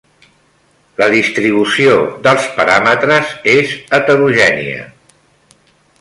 La distribució dels paràmetres és heterogènia.